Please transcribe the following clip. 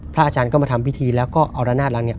พระอาจารย์ก็มาทำพิธีแล้วก็เอาระนาจร้านนี้